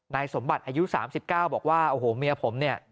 นายสมบัติอายุ๓๙บอกว่าโอ้โหเมียผมเนี่ย